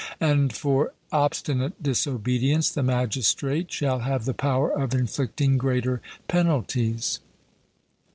And for obstinate disobedience, the magistrate shall have the power of inflicting greater penalties.